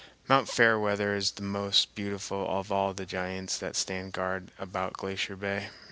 Mt. Fairweather is the most beautiful of all the giants that stand guard about Glacier Bay.